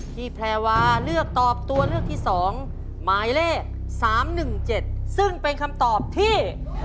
แพรวาเลือกตอบตัวเลือกที่๒หมายเลข๓๑๗ซึ่งเป็นคำตอบที่